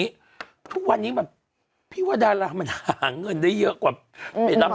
ทุกวันนี้แบบพี่ว่าดารามันหาเงินได้เยอะกว่าไปรับ